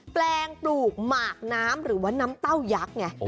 แปลงปลูกหมากน้ำหรือว่าน้ำเต้ายักษ์ไง